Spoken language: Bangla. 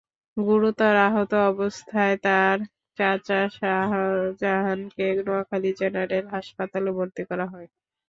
গুরুতর আহত অবস্থায় তাঁর চাচা শাহজাহানকে নোয়াখালী জেনারেল হাসপাতালে ভর্তি করা হয়।